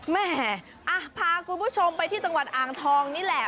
แม่พาคุณผู้ชมไปที่จังหวัดอ่างทองนี่แหละ